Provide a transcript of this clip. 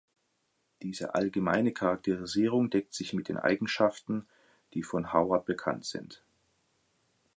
Diese allgemeine Charakterisierung deckt sich mit den Eigenschaften, die von Howard bekannt sind.